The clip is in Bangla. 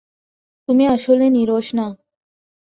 তুমি আসলে নীরস না।